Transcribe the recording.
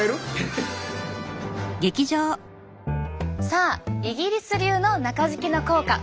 さあイギリス流の中敷きの効果